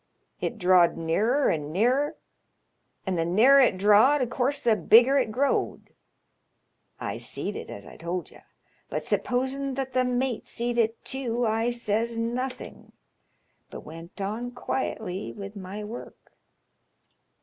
It drawed nearer and rearer, and the nearer it drawed of course the bigger it growed. I seed it, as I told ye ; but supposin' that the mate seed it tew I says nothing, but went on quietly with my work.